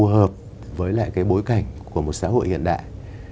để nó phù hợp với lại cái bối cảnh của một xã hội hiện đại